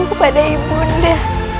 kepada ibu nda